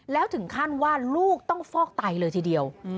แล้วถึงขั้นว่าลูกต้องฟอกไตเลยทีเดียว